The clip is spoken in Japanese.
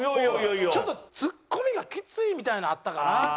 ちょっとツッコミがきついみたいなのあったから。